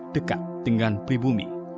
dekat dengan pribumi